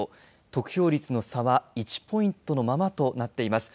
得票率の差は１ポイントのままとなっています。